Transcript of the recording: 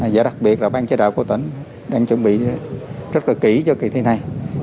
và đặc biệt là ban chế đạo của tỉnh đang chuẩn bị rất là kỹ cho kỳ thi này